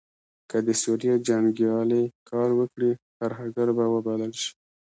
که د سوریې جنګیالې کار وکړي ترهګر به وبلل شي.